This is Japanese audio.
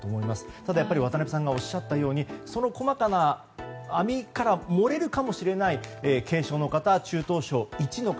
ただ、渡辺さんがおっしゃったようにその細かな網から漏れるかもしれない軽症の方、中等症１の方。